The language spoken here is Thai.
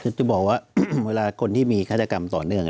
คือจะบอกว่าเวลาคนที่มีฆาตกรรมต่อเนื่อง